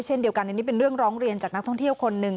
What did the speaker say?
เช่นเดียวกันอันนี้เป็นเรื่องร้องเรียนจากนักท่องเที่ยวคนหนึ่ง